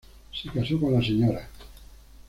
Se casó con la Sra.